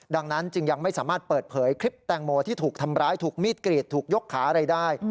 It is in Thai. ดังนั้นจึงยังไม่สามารถเปิดเผยคลิปแตงโมที่ถูกทำร้ายถูกมีดกรีดถูกยกขาอะไรได้